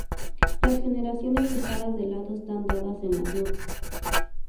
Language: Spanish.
Las generaciones dejadas de lado están dadas en las notas.